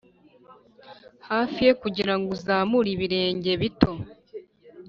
hafi ye kugirango uzamure ibirenge bito